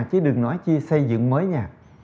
chứ đừng nói chi xây dựng mới nhà